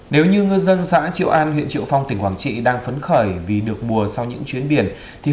nếu như ngư dân xã triệu an huyện triệu phong tỉnh quảng trị đang phấn khởi vì được mùa sau những chuyến biển